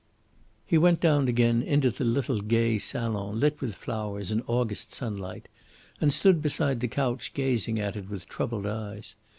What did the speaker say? He went down again into the little gay salon lit with flowers and August sunlight, and stood beside the couch gazing at it with troubled eyes.